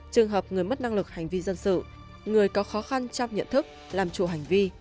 trường hợp người mất năng lực hành vi dân sự người có khó khăn trong nhận thức làm chủ hành vi